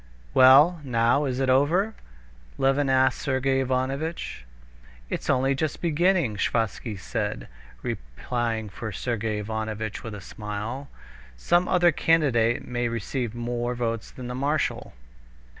"Well, now is it over?" Levin asked Sergey Ivanovitch. "It's only just beginning," Sviazhsky said, replying for Sergey Ivanovitch with a smile. "Some other candidate may receive more votes than the marshal."